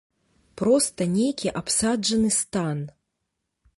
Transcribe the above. Проста нейкі абсаджаны стан.